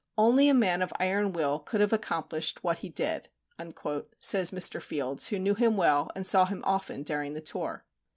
"Only a man of iron will could have accomplished what he did," says Mr. Fields, who knew him well, and saw him often during the tour.